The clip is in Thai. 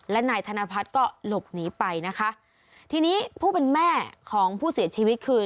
และนายธนพัฒน์ก็หลบหนีไปนะคะทีนี้ผู้เป็นแม่ของผู้เสียชีวิตคือ